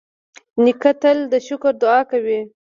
نیکه تل د شکر دعا کوي.